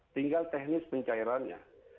tinggal teknis pencairannya